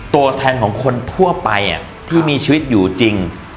ตัวแทนของคนทั่วไปที่มีชีวิตอยู่จริง